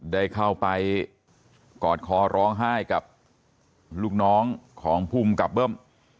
ได้เข้าไปกอดคอร้องไห้กับลูกน้องของภูมิกับเบิ้ม